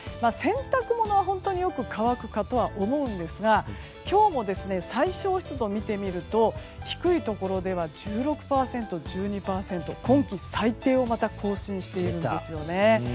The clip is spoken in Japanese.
洗濯物は本当によく乾くとは思うんですが今日も最小湿度を見てみると低いところでは１６％、１２％と今季最低をまた更新しているんですね。